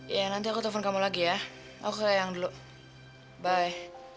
ya nanti aku telfon kamu lagi ya aku ke layang dulu bye